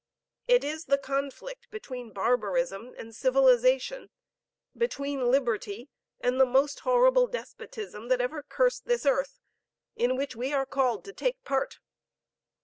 It is the conflict between barbarism and civilization, between liberty and the most horrible despotism that ever cursed this earth, in which we are called to take part.